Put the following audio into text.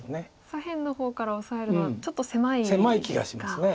左辺の方からオサえるのはちょっと狭いですか。